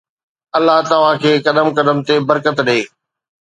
الله توهان کي قدم قدم تي برڪت ڏي.